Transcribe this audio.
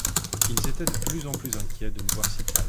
Ils étaient de plus en plus inquiets de nous voir si calmes.